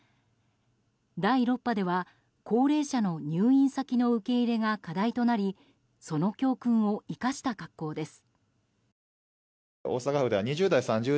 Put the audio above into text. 第６波では、高齢者の入院先の受け入れが課題となりその教訓を生かした格好です。